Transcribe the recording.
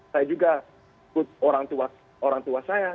saya juga mengatakan kepada orang tua saya